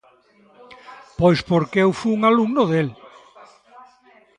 Pois porque eu fun alumno del.